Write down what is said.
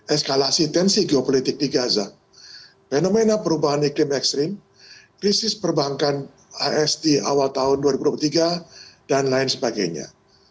eskalasi tensi geopolitik di gaza fenomena perubahan iklim ekstrim krisis perbankan as di awal tahun dua ribu dua puluh tiga dan lain sebagainya